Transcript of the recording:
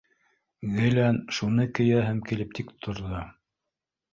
Гелән шуны кейәһем килеп тик торҙо.